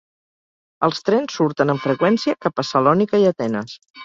Els trens surten amb freqüència cap a Salònica i Atenes.